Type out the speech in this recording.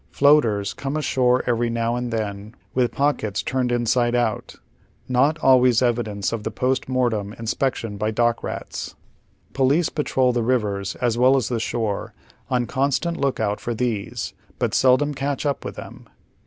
" Floaters " come ashore every now and then with pockets turned inside out, not always evidence of a post mortem inspection by dock rats. Police patrol the rivers as well as the shore on constant look out for these, but sel dom catch up with tliem.